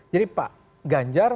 jadi pak ganjar